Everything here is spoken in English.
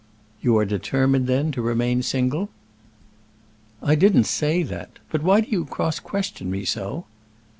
"You are determined, then, to remain single?" "I didn't say that. But why do you cross question me so?"